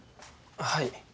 はい。